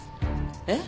えっ？